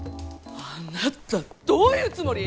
あなたどういうつもり？